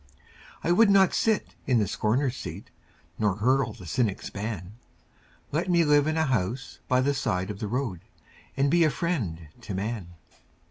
I would not sit in the scorner's seat Nor hurl the cynic's ban Let me live in a house by the side of the road And be a friend to man.